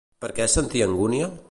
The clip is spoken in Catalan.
Per què sentia angúnia?